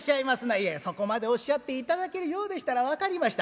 いやいやそこまでおっしゃっていただけるようでしたら分かりました。